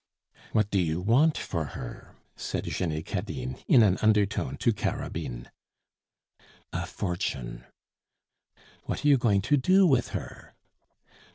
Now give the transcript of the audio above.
"What do you want for her?" said Jenny Cadine, in an undertone to Carabine. "A fortune." "What are you going to do with her?"